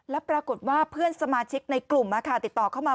แล้วปรากฏว่าเพื่อนสมาชิกในกลุ่มติดต่อเข้ามา